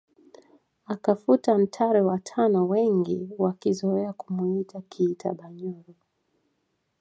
Akafuta Ntare wa tano wengi wakizoea kumuita Kiitabanyoro